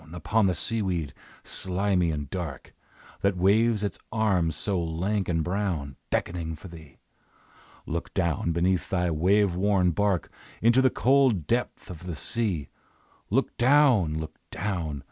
Upon the seaweed, slimy and dark, That waves its arms so lank and brown, Beckoning for thee! Look down beneath thy wave worn bark Into the cold depth of the sea! Look down! Look down!